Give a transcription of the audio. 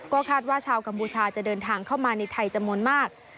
ก็คาดว่าชาวกัมพูชาจะเดินทางเข้ามาในไทยจำนวนมาก